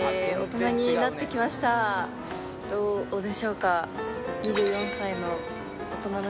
どうでしょうか